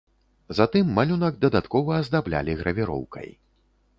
Затым малюнак дадаткова аздаблялі гравіроўкай.